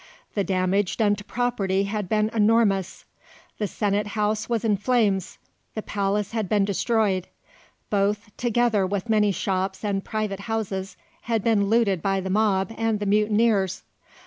The damage done to property had been enormous. The Senate House was in flames; the palace had been destroyed; both, together with many shops and private houses, had been looted by the mob and the mutineers.